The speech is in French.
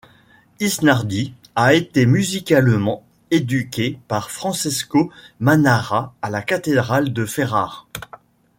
Isnardi a été musicalement éduqué par Francesco Manara à la cathédrale de Ferrare.